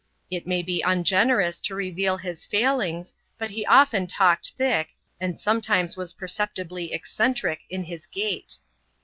It may be ungenerous to reveal his failings, but he often talked thick, and sometimes was perceptibly eccentric in his gait.